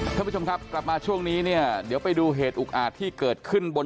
ท่านผู้ชมครับกลับมาช่วงนี้เนี่ยเดี๋ยวไปดูเหตุอุกอาจที่เกิดขึ้นบน